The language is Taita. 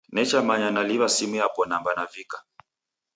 Nechamanya naliw'a simu yapo namba navika